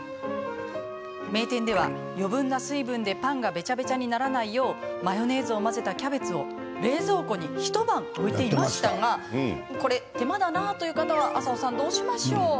名店では余分な水分でパンがべちゃべちゃにならないようマヨネーズを混ぜたキャベツを冷蔵庫に一晩、置いていましたがこれ手間だなという方はどうしましょう？